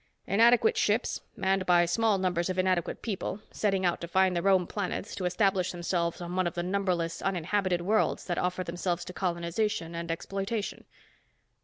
"Inadequate ships, manned by small numbers of inadequate people, setting out to find their own planets, to establish themselves on one of the numberless uninhabited worlds that offer themselves to colonization and exploitation."